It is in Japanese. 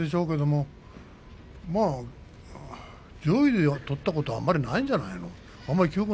上位で取ったことないんじゃないの？